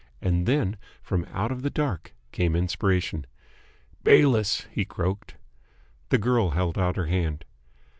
And then from out of the dark came inspiration. "Bayliss," he croaked. The girl held out her hand.